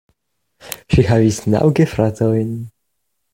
Ŝi havis naŭ gefratojn.